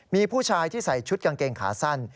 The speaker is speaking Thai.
มีผู้ชายที่ใส่ชุดกางเกงขาสั้น